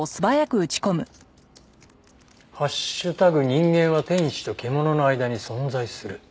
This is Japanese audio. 人間は天使と獣の間に存在する」